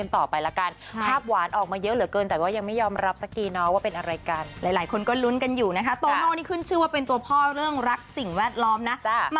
ต่อไปละกันภาพหวานออกมาเยอะเหลือเกินแต่ว่ายังไม่ยอมรับสักทีเนาะว่าเป็นอะไรกันหลายคนก็ลุ้นกันอยู่นะคะโตโน่นี่ขึ้นชื่อว่าเป็นตัวพ่อเรื่องรักสิ่งแวดล้อมนะจ๊ะ